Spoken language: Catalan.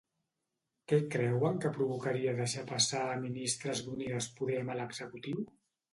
Què creuen que provocaria deixar passar a ministres d'Unides Podem a l'executiu?